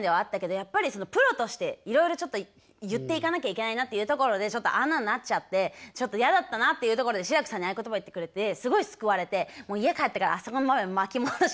やっぱりプロとしていろいろちょっと言っていかなきゃいけないなっていうところでちょっとあんなんなっちゃってちょっと嫌だったなっていうところで志らくさんにああいう言葉言ってくれてすごい救われて家帰ってからあそこの場面巻き戻し。